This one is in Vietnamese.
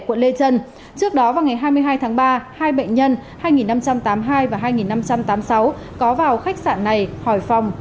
quận lê trân trước đó vào ngày hai mươi hai tháng ba hai bệnh nhân hai nghìn năm trăm tám mươi hai và hai năm trăm tám mươi sáu có vào khách sạn này hỏi phòng